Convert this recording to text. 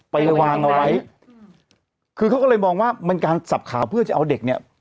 ไปวางเอาไว้คือเขาก็เลยมองว่ามันการสับขาเพื่อจะเอาเด็กเนี่ย